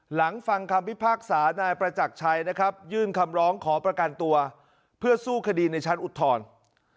ฟังคำพิพากษานายประจักรชัยนะครับยื่นคำร้องขอประกันตัวเพื่อสู้คดีในชั้นอุทธรณ์